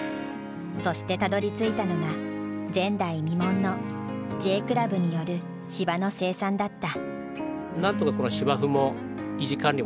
そしてたどりついたのが前代未聞のＪクラブによる芝の生産だった。